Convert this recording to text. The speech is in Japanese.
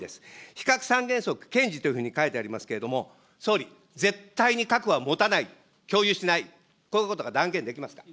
非核三原則堅持というふうに書いてありますけれども、総理、絶対に核は持たない、共有しない、こういうことが断言できますか。